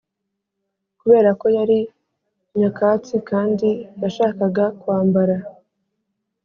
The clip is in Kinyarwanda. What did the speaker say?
kubera ko yari nyakatsi kandi yashakaga kwambara,